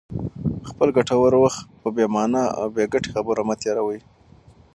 خپل ګټور وخت په بې مانا او بې ګټې خبرو مه تېروئ.